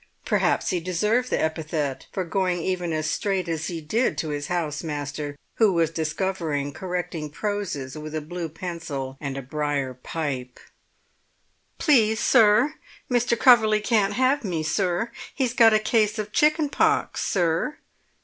Perhaps he deserved the epithet for going even as straight as he did to his house master, who was discovered correcting proses with a blue pencil and a briar pipe. "Please, sir, Mr. Coverley can't have me, sir. He's got a case of chicken pox, sir."